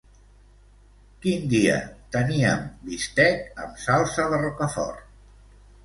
Quin dia teníem bistec amb salsa de rocafort?